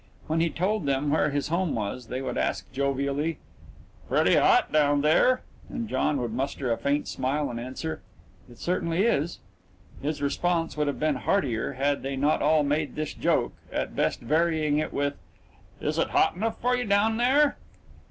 When he told them where his home was they would ask jovially, "Pretty hot down there?" and John would muster a faint smile and answer, "It certainly is." His response would have been heartier had they not all made this joke at best varying it with, "Is it hot enough for you down there?"